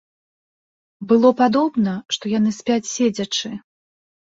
Было падобна, што яны спяць седзячы.